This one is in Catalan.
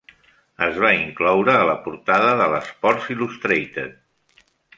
es va incloure a la portada de l'"Sports Illustrated".